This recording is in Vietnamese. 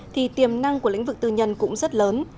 thì tiềm năng của lĩnh vực tư nhân cũng rất lớn